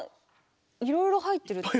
いろいろ入ってる。